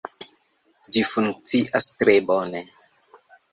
Ĝi funkcias tre bone